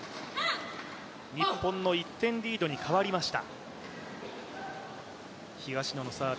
日本の１点リードに変わりました。